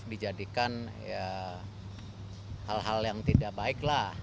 dijadikan hal hal yang tidak baik lah